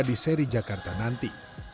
di seri jakarta nanti